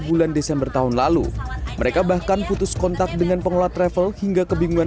bulan desember tahun lalu mereka bahkan putus kontak dengan pengolah travel hingga kebingungan